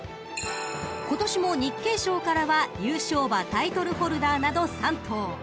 ［今年も日経賞からは優勝馬タイトルホルダーなど３頭］